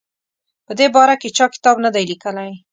په دې باره کې چا کتاب نه دی لیکلی.